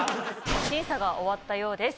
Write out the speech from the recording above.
審査が終わったようです。